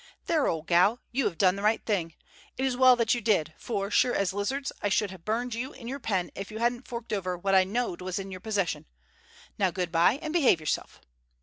"There, old gal, you have done the right thing. It is well that you did, for, as sure as lizards, I should have burned you in your pen if you hadn't forked over what I know'd was in your possession. Now, good by, and behave yourself.